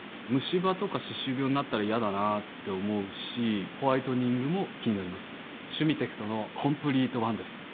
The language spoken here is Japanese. ムシ歯とか歯周病になったら嫌だなって思うしホワイトニングも気になります「シュミテクトのコンプリートワン」です